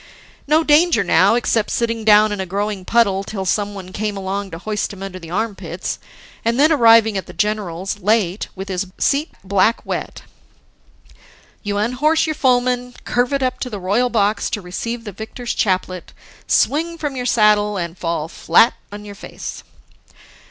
No danger now, except sitting down in a growing puddle till someone came along to hoist him under the armpits, and then arriving at the general's late, with his seat black wet.... You unhorse your foeman, curvet up to the royal box to receive the victor's chaplet, swing from your saddle, and fall flat on your face.